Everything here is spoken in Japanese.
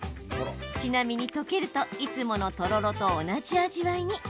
ちなみに溶けるといつものとろろと同じ味わいに。